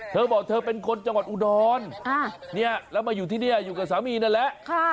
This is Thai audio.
เธอบอกเธอเป็นคนจังหวัดอุดรแล้วมาอยู่ที่นี่อยู่กับสามีนั่นแหละ